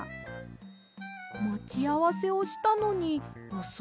まちあわせをしたのにおそいですね。